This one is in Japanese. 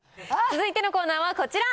続いてのコーナーはこちら。